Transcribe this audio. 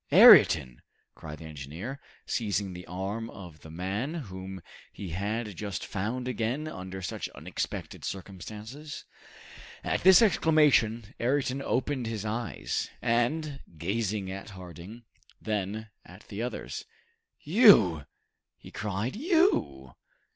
"Ayrton!" cried the engineer, seizing the arm of the man whom he had just found again under such unexpected circumstances. At this exclamation Ayrton opened his eyes, and, gazing at Harding, then at the others, "You!" he cried, "you?"